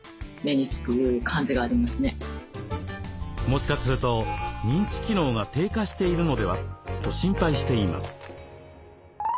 もしかすると認知機能が低下しているのでは？と心配しています。